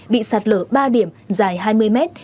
bị sạt lở ba điểm dài hai mươi mét